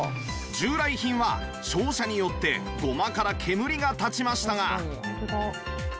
従来品は照射によってゴマから煙が立ちましたが